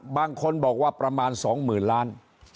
บางคนบอกว่าประมาณ๒๐๐๐ล้าน